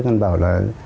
con bảo là